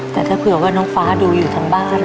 แต่ถ้าเผื่อว่าน้องฟ้าดูอยู่ทางบ้าน